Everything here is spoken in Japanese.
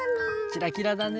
キラキラだね。